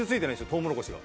トウモロコシが。